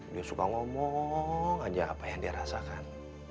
dia suka ngomong aja apa yang dia rasakan